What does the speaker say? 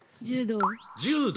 柔道。